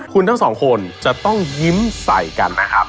คุณทั้งสองคนจะต้องยิ้มใส่กันนะครับ